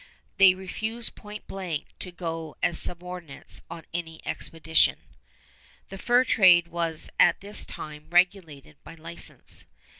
They refused point blank to go as subordinates on any expedition. The fur trade was at this time regulated by license.